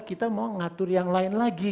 kita mau ngatur yang lain lagi